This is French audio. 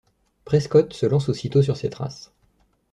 Prescott se lance aussitôt sur ses traces.